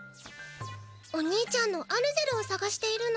お兄ちゃんのアルゼルをさがしているの。